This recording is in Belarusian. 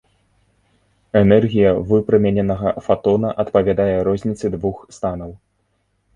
Энергія выпрамененага фатона адпавядае розніцы двух станаў.